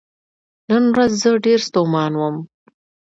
نن ورځ زه ډیر ستومان وم .